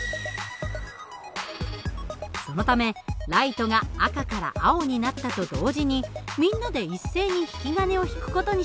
そのためライトが赤から青になったと同時にみんなで一斉に引き金を引く事にしました。